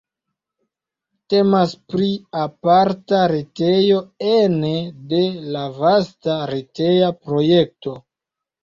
Temas pri aparta retejo ene de la vasta reteja projekto.